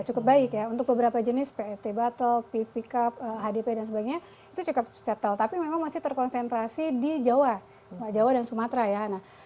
cukup baik ya untuk beberapa jenis pet battle ppic cup hdp dan sebagainya itu cukup settle tapi memang masih terkonsentrasi di jawa jawa dan sumatera ya